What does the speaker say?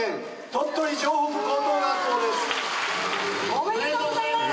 ・おめでとうございます。